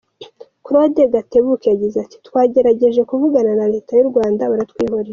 Claude Gatebuke yagize ati, ”Twagerageje kuvugana na leta y’u Rwanda, baratwihorera”.